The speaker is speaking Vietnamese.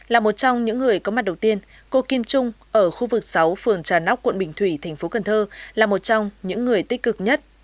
là một trong những người có mặt đầu tiên cô kim trung ở khu vực sáu phường trà nóc quận bình thủy thành phố cần thơ là một trong những người tích cực nhất